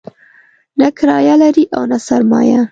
نه کرايه لري او نه سرمایه.